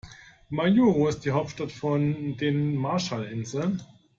Majuro ist die Hauptstadt von den Marshallinseln.